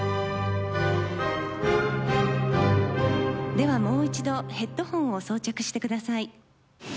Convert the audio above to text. ではもう一度ヘッドホンを装着してください。